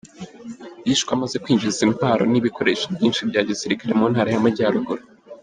Yishwe amaze kwinjiza intwaro n’ibikoresho byinshi byagisikare mu Ntara y’amajyaruguru.